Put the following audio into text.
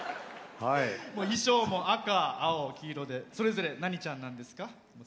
衣装も赤、青、黄色でそれぞれ何ちゃんなんですか？